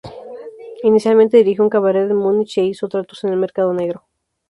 Inicialmente dirigió un cabaret en Múnich e hizo tratos en el mercado negro.